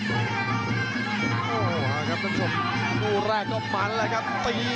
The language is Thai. โอ้โหครับท่านผู้ชมคู่แรกก็มันแล้วครับตี